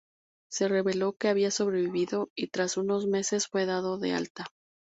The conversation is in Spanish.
Se reveló que había sobrevivido y tras unos meses fue dado de alta.